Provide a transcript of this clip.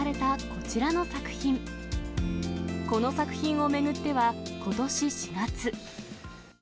この作品を巡っては、ことし４月。